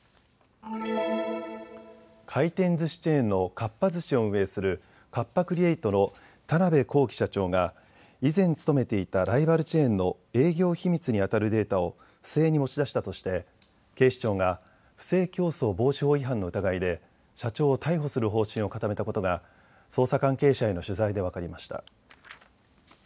回転ずしチェーンのかっぱ寿司を運営するカッパ・クリエイトの田邊公己社長が以前勤めていたライバルチェーンの営業秘密にあたるデータを不正に持ち出したとして警視庁が不正競争防止法違反の疑いで社長を逮捕する方針を固めたことが捜査関係者への取材で分かりました。